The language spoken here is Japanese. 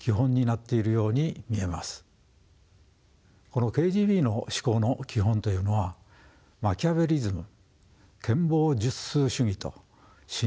このＫＧＢの思考の基本というのはマキャベリズム権謀術数主義とシニシズム没